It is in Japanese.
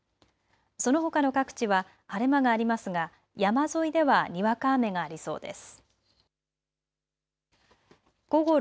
そのほかの各地は晴れ間がありますが山沿いではにわか雨がありそうです。